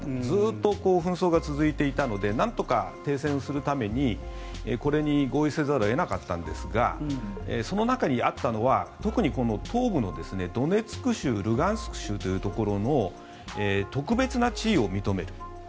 ずっと紛争が続いていたのでなんとか停戦するためにこれに合意せざるを得なかったんですがその中にあったのは特に東部のドネツク州ルガンスク州というところの特別な地位を認める。